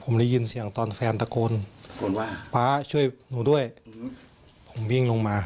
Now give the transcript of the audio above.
ผมได้ยินเสียงตอนแฟนตะโกนว่าป๊าช่วยหนูด้วยผมวิ่งลงมา